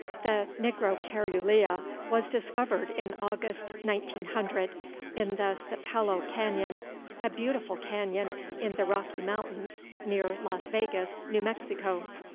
The nigrocaerulea was discovered in August, 1900, in the Sapello Canyon, a beautiful canyon in the Rocky Mountains near Las Vegas, New Mexico.